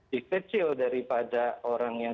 dikecil daripada orang yang